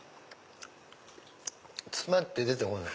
詰まって出て来ない。